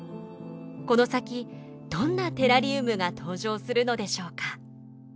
この先どんなテラリウムが登場するのでしょうか。